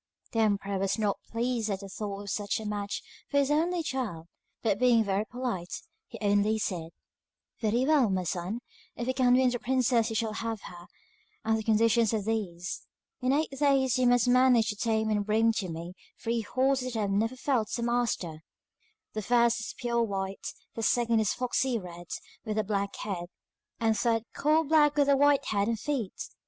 The emperor was not much pleased at the thought of such a match for his only child, but being very polite, he only said: 'Very well, my son, if you can win the princess you shall have her, and the conditions are these. In eight days you must manage to tame and bring to me three horses that have never felt a master. The first is pure white, the second a foxy red with a black head, the third coal black with a white head and feet.